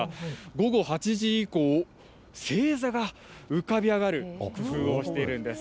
午後８時以降、星座が浮かび上がる工夫をしているんです。